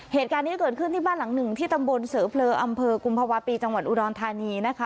เหตุการณ์นี้เกิดขึ้นที่บ้านหลังหนึ่งที่ตำบลเสอเผลออำเภอกุมภาวะปีจังหวัดอุดรธานีนะคะ